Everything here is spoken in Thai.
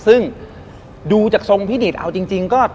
ซึ่งดูจากทรงพี่ดิตเอาจริงก็